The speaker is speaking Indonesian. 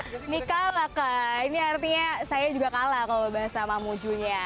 ya ini kalah kak ini artinya saya juga kalah kalau bahas sama mamuju nya